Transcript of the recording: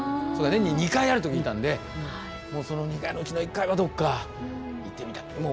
年に２回あると聞いたんでその２回のうちの１回はどっか行ってみたい。